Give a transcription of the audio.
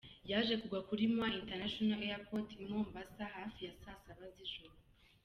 Yaje kugwa kuri Moi International Airport i Mombasa hafi ya saa saba z’ijoro.